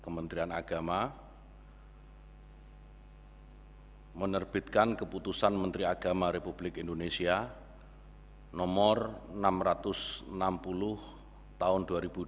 kementerian agama menerbitkan keputusan menteri agama republik indonesia nomor enam ratus enam puluh tahun dua ribu dua puluh